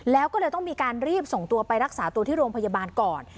แล้วก็เลยต้องมีการรีบส่งตัวไปรักษาตัวที่โรงพยาบาลก่อน